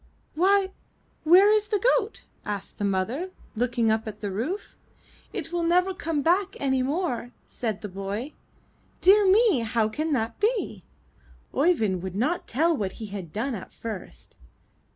''Why, where is the goat?" asked the mother, looking up at the roof. "It will never come back any more," said the boy. "Dear me! how can that be?" Oeyvind would not tell what he had done at first.